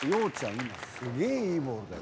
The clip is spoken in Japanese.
今すげいいボールだよ。